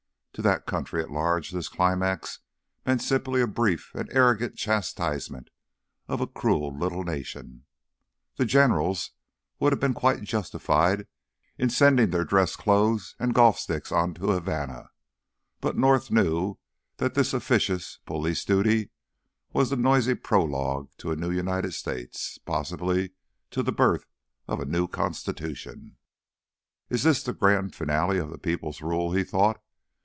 To that country at large this climax meant simply a brief and arrogant chastisement of a cruel little nation; the generals would have been quite justified in sending their dress clothes and golf sticks on to Havana; but North knew that this officious "police duty" was the noisy prologue to a new United States, possibly to the birth of a new Constitution. "Is this the grand finale of the people's rule?" he thought.